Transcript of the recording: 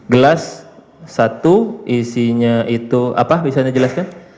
gelas satu isinya itu apa bisa anda jelaskan